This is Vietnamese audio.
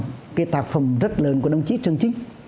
cái tác phẩm rất lớn của đồng chí trường trinh